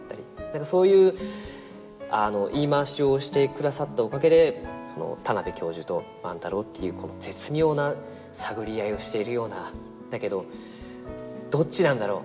そういう言い回しをしてくださったおかげで田邊教授と万太郎っていう絶妙な探り合いをしているようなだけどどっちなんだろう？